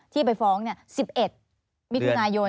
ที่ไปฟ้อง๑๑มิถุนายน